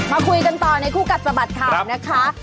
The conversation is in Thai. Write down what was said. มาคุยกันต่อในคู่กัดสะบัดข่าวนะคะ